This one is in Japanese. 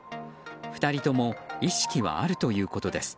２人とも意識はあるということです。